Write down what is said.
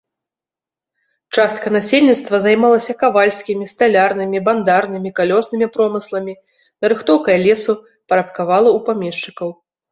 Частка насельніцтва займалася кавальскімі, сталярнымі, бандарнымі, калёснымі промысламі, нарыхтоўкай лесу, парабкавала ў памешчыкаў.